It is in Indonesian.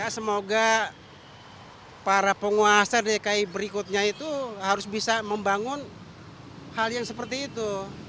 semoga para penguasa dki berikutnya itu harus bisa membangun hal yang seperti itu